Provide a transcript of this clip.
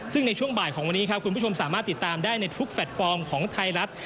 ซึ่งในช่วงบ่ายของวันนี้ครับคุณผู้ชมสามารถติดตามได้ในทุกแพลตฟอร์มของไทยรัฐ